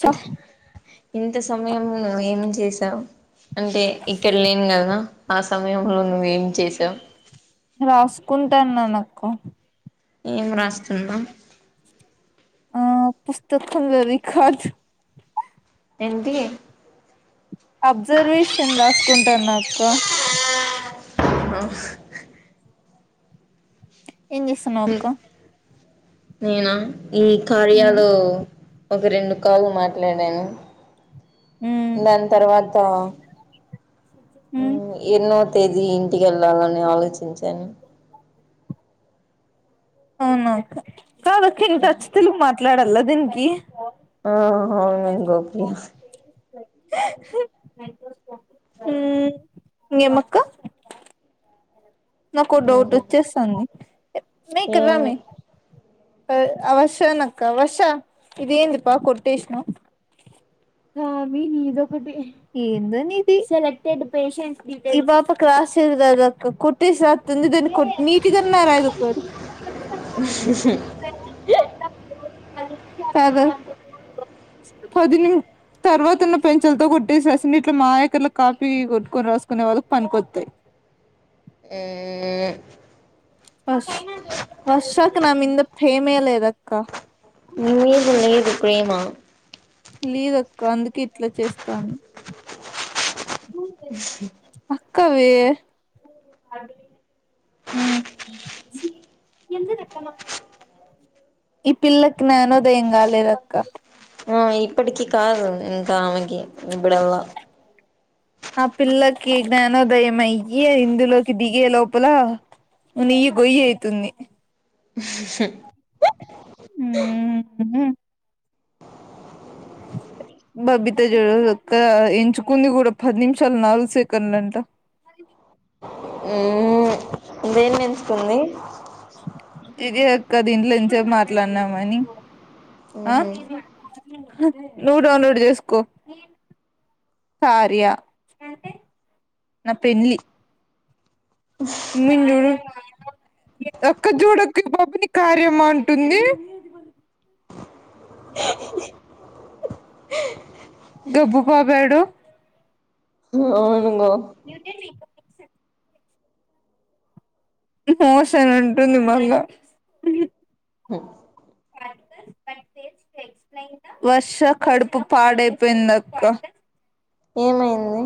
చ ఇంత ఇంత సమయంము నువ్వు ఏమి చేసావు అంటే ఇక్కడ లేను కదా ఆ సమయంలో నువ్వేం చేసావు రాసుకుంటాన్నానకు ఏం రాస్తున్నాం ఆ పుస్తక లో రికార్డ్స్ ఏంటి అబ్జర్వేషన్ రాసుకుంటను అక ఆఓ ఏం చేస్తున్నావ్ అక్క నేనా ఈ ఉమ్ కార్యాలు ఒక రెండు కాలు మాట్లాడాను ఉమ్ దాని తర్వాత ఉమ్ ఎన్నో తేదీ ఇంటికి వెళ్ళాలని ఆలోచించాను అవునా అక్క కాద అక టచ్చ తెలుగు మాట్లాడాల దీనికి ఆ [unintelligible] ఏం అక్క నాక ఒక డౌట్ వచ్చేస్తది మే ఇక్కడ రా ఏమి మే వవశ నక్క వర్ష ఇేందిపా కొట్టేష్ ను కా మీ నీదొకటి ఏందు ఇది సెలెక్టెడ్ పేషెంట్స్ పాప క్లాసెస్ అద కొట్టసంది దని కొ నీటిగాన్నాార ఇ ఏ సద పదిని తర్వాతన్న పెంచలతో కొట్టిసిస నట్ల మాయకర్లు కాపీ కొట్టుకొని రాసుకునే వాళ్ళకి పనికొస్తాయి ఆ వష్ వర్షాక నమ్ంద ఫేమేల ఇదక్క నీ మీద లేదు ప్రేమ లీదక్క అందుకె ఇట్లా చేస్తాంది అ కవే ఉ ఈ పిల్లకి నానోదయం కాలేదక్క ఆ ఇప్పటికి కాదు ఇంకామెకి ఇప్పుడలా ఆ పిల్లకి జ్ఞానోదయం అయ్యి ఆ ఇందులోకి దిగే లోపల ను నయ్య గొయ్యి అయితుంది హ బాబితజడు ఎంచుకుంది కూడా పది నిమిషాలు నాలుగు సెకండ్లు అంట ఉ దేని కుంది ఇదిక్క దీంట్లో ఎంసేపు మాట్లాడినామని ఆ ఉహు నువ్వు డౌన్లోడ్ చేసుకో కార్యా అంటే నా పెళ్లి [unintelligible] ఒక్క జూడకు పపిని కార్యమా అంటుంది గబ్బు పోపాడు అవునుగో మీ మోసం అని అంటుంది మళ్ళ వర్ష కడుపు పాడైపోయింది అక్క ఏమైంది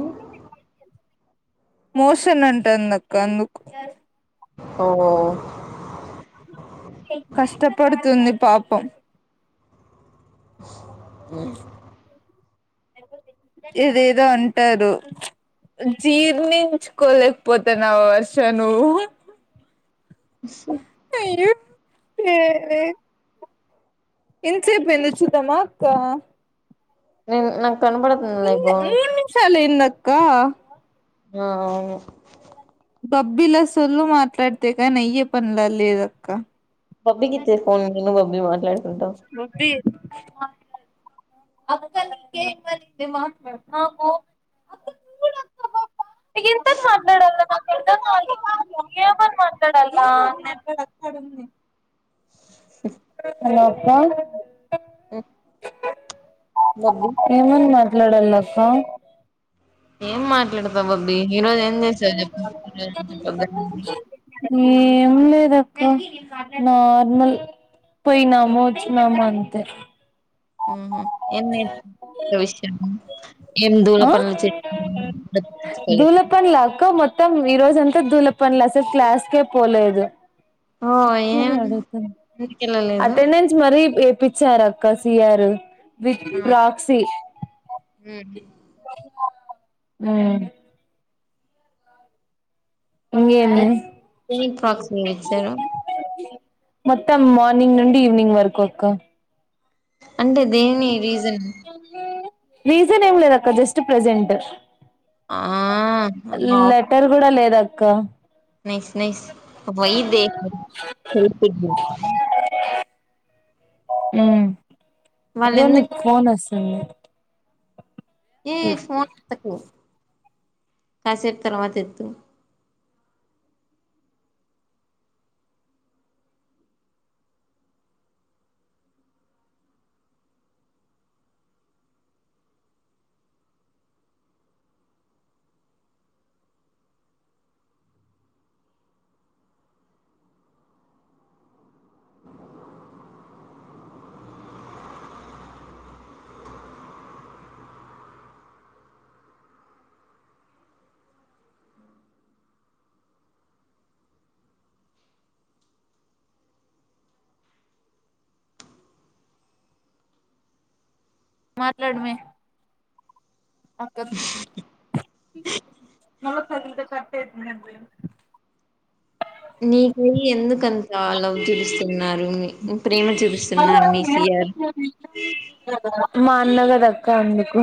మోషన్ అంటాంది అక్క అందుకు ఓ కష్టపడుతుంది పాపం ఏదేదో అంటారు జీర్ణించుకోలేకపోతానవ వర్ష నువ్వు అా అయ్యో హే ఎన్సేపు అయిందో చూద్దామా అక్క ఉమ్ నా ఇంగ మూడు నిమిషాలు ఏందక్క ఆ అవును బబ్బిలా సొల్లు మాట్లాడితే కాని అయ్యే పనులా లేదక్క బబ్బికి ఇచ్చేయ్ ఫోన్ నేను బబ్బీ మాట్లాడుకుంటాం అక్క నీకే ఇమ్మనింది మాట్లాడు ఆ పో అక్క చూడు ఎంత అని మాట్లాడల్ల నాకు అర్థం కాదు ఏమని మాట్లాడాలి మా హలో అక్క బబ్బీ ఏమని మాట్లాడల్ల అక్కా ఏం మాట్లాడతావు బబ్బీ ఈ రోజు ఏం చేసావు చెప్పు పొద్దున నుండీ ఏం లేదక్క నార్మల్ పోయినాము వచ్చినాము అంతే ఉహూ ఎన్నేటి విషయము ఆ దూలపనులా అక్క మొ త్తం ఈ రోజంతా దూల పనులే అసలు క్లాస్కే పోలేదు ఓ ఏం ఎందుకెళ్ళలేదు అటెండెన్స్ మరి వేపి పిచ్చారు అక్క సిఆర్ విత్ ప్ర్రాక్సీ ఉహూ ఉమ్ ఇంగేమి ఏ దేనికి ప్రాక్సీ ఇచ్చారు మొత్తం మార్నింగ్ నుండి ఈవినింగ్ వరకు అక్క అంటే దేని రీజన్ రీసన్ ఏం లేదు అక్క జస్ట్ ప్రెసెంట్ ఆ లెటర్ కూడా లేదక్క నైస్ నైస్ వై దే [unintelligible] ఉమ్ వాళ్ళు ఇగో ఎందుకు నీకు ఫోన్ వస్తుంది ఏ ఫోన్ ఎత్తుకు కాసేపు తర్వాత ఎత్తు మాట్లాడు మే అక్కతో మదులు చె నీకి ఎందుకంత లవ్ చూపిస్తున్నారు ప్రేమ చూపిస్తున్నారు మీ సి ఆర్ మా అన్న గదక్క అందుకు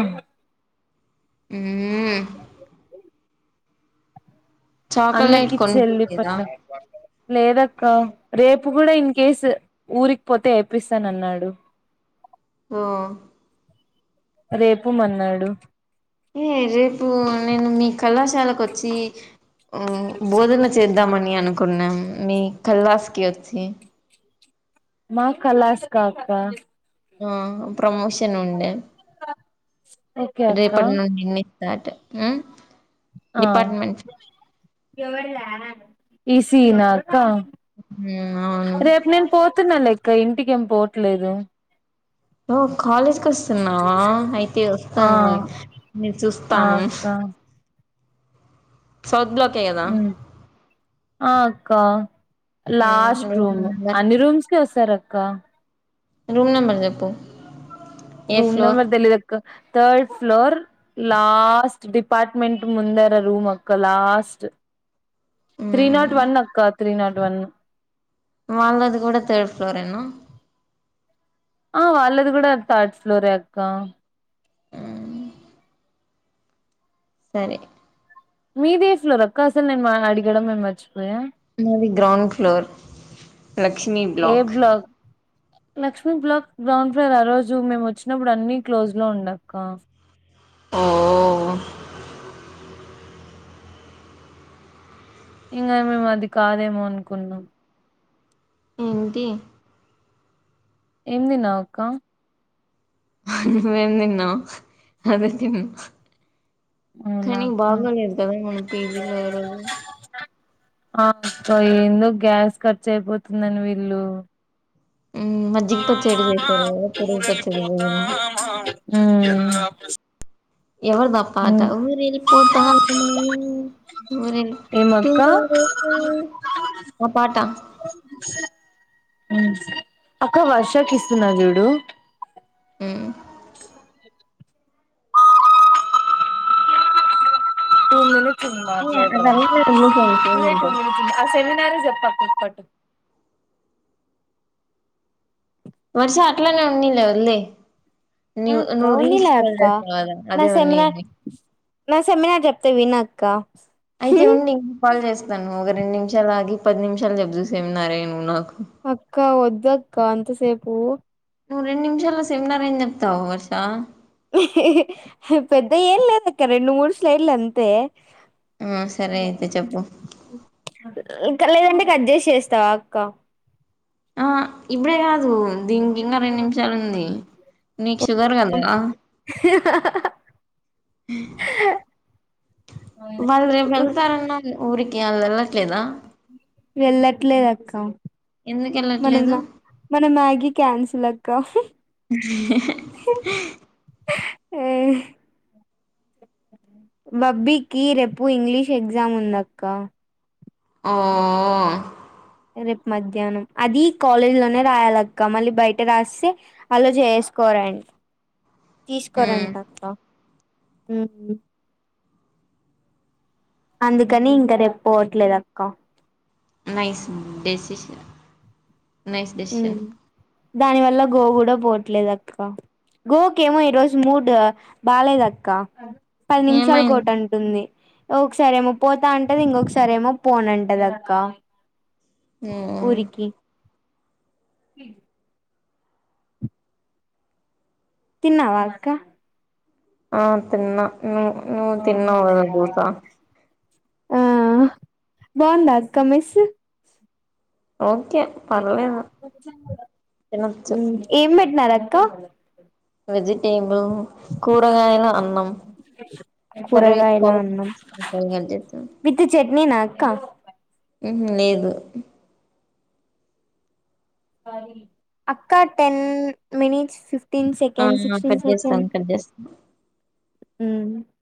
ఉమ్ చాక్లెట్ అన్నకి చెల్లి కొనిపియలేదా పట్ల లేదక్క రేపు అప్పు కూడా ఇన్ కేస్ ఊరికి పోతే ఏపిస్తానన్నాడు ఓ రేపు మన్నాడు ఏ రేపు నేను మీ కళాశాలకు వచ్చి బోధన చేద్దామని అనుకున్నాం మీ కల్లాస్ కి వచ్చి మా కలాస్ కా అక్క ఆ ప్రమోషన్ ఉండే ఓకే అక్క రేపటి నుండినే ట్ డిపార్ట్మెంట్ ఎ ఇసీనా మ్మ్ అవును రేపు నేను పోతున్నా లెక్క ఇంటికి ఏం పోవట్లేదు [inaudible] కాలేజ్కి వస్తున్నావా అయితే ఆ వస్తాను నేను ఆ చూస్తాను అక్క సౌత్ బ్లాక్ ఏ కదా ఆ అక్క లాస్ట్ రూమ్ అన్ని రూమ్స్ క వస్తారు అక్క రూమ్ నంబర్ చెప్పు ఏ రూమ్ ఫ్లోర్ నంబర్ తెలిదు తకు థర్డ్ ఫ్లోర్ లాస్ట్ డిపార్ట్మెంట్ ముందర రూమ్ అక్క లాస్ట్ త్రీ నాట్ వన్ అక్క తీ నాట్ వన్ వాళ్ళది కూడా థర్డ్ ఫ్లోర్ ఏనా ఆ వాళ్ళది కూడా థర్డ్ ఫ్లోర్ ఎ అక్క సరే మీదే ఫ్లోరక్క అసలు నేను అడిగడం మే మర్చిపోయాను మాది ground floor Lakshmi block Lakshmi block ground floor ఆ రోజు మేము వచ్చినప్పుడు అన్ని క్లోజ్ లో ఉండక్క ఓ ఇంకా మేము అది కాదేమో అనుకున్నాం ఏంటి ఎం తిన్నావ్ అక్క నువ్ ఎంతిన్నావు అదేతిన్న అవునా కనీ అక్క బాగోలేదు కదా మన పీజీ లో ఈ రోజు ఆ ఎందొ గ్యాస్ ఖర్చు అయిపోతుందని వీల్లు మ్మ్ మజ్జిగ పచ్చడి చేశారు కదా పెరుగు ఊర పచ్చడి భోజనం వెళ్ళిపోతామా మ్ ఎవర్ధ పాట ఊరి వెళ్ళపోతమా ఊరే టూ ఏమక్క ఆ పాటా అక్క వర్షాకి ఇస్తున్నా చూడు మ్ త నను ఏ అది అలానే వదిలేసాను ఫోన్ ఇంకా ఆ సెమినా ఎన్నారు చెప్ప కూప్పట్టు వర్ష అట్లనే ఉండనీలే వదిలేయ్ నివ్ నువ్వు రీల్స్ స్క్రోల్ చేస్తావ్ కదా అదే ఉన్నయి నా సెమినార్ చెప్తా వినాకక్క అయితే ఉండి కాల్ చేస్తాను ఒక రెండు నిమిషాలు ఆగి పది నిమిషాలు జబ్ చూస ఏమినారా నువవు నాకు అక్క ఒద్దక్క అంత సేపు నువ్వు రెండు నిమిషాల్లో సెమినార్ ఏం చెప్తావు వర్ష పెద్ద ఏం లేదు అక్క రెండు మూడు స్లైడ్లు అంతే ఆ సరే అయితే చెప్పు ఇంకా లేదంటే కట్ చేసేస్తావా అక్క ఆ ఇప్పుడ గాద్ దీనికినికి ఇంకా రెండు నిమిషాలు ఉంది నీకు షుగర్ కదా వల్ రేప్ వెళ్తారన్నావ్ ఊరికే ఆళ్ళు ఎళ్ళట్లేదా వెళ్ళట్లేదు అక్క ఎందుకు మన వెళ్ళట్లేదు మన మ్యాగీ క్యాన్సిల్ అక్క ఏ బబ్బికి రేపు ఇంగ్లీష్ ఎగ్జామ్ ఉందక్క ఓ... రేపు మధ్యాహ్నం అది కాలేజ్ లోనే రాయాలక్క మళ్ళీ బయట రాస్తే ఎలో జేసుకో ట్రెం మ్ తీస్కోరంట అక్క మ్మ్ అందుకని ఇంక రేపు పోట్లేదు అక్క నైస్ డెసిషన్ నైస్ డెసిషన్ మ్మ్ దాని వల్ల గో గూడా పోట్లేదు అక్క గోకేమో ఈ రోజు మూడ్ బాలేదక్క పది నిమిషాల ఏమైంది కోటిఅంటుంది ఒకసారేమో పోతా అంటది ఇంకొకసారేమో పోను అంటది అక్క మ్మ్ హ తిన్నావా అక్క ఆ తిన్నా ను నువ్వు తిన్నావు గద దోసా ఆ బావుందా అక్క మెస్ ఓకే పర్లేదు తినొచ్చు మ్మ్ ఏం పెట్టినార అక్క వెజిటేబిల్ కూరగాయల అన్నం సర కూరగాయల క నేనా అక్క మ్మ్ హు లేదు అక్క టెన్ మినిట్స్ టిన్ ఆ సెకన్ సీక్స్టీన్ కట్ సెకన్ చేస్తాను కట్ చేస్తాను మ్మ్